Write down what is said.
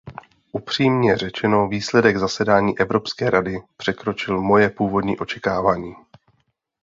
Upřímně řečeno, výsledek zasedání Evropské rady překročil moje původní očekávání.